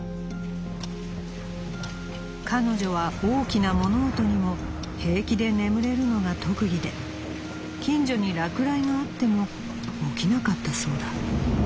「彼女は大きな物音にも平気で眠れるのが特技で近所に落雷があっても起きなかったそうだ」。